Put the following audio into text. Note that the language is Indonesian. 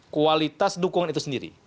kualitas dukungan itu sendiri